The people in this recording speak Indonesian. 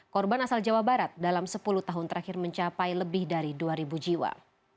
korban asal jawa barat dalam sepuluh tahun terakhir mencapai lebih dari dua jiwa